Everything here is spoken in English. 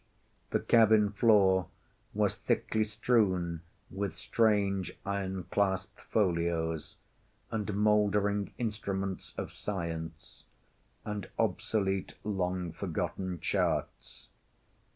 The cabin floor was thickly strewn with strange, iron clasped folios, and mouldering instruments of science, and obsolete long forgotten charts.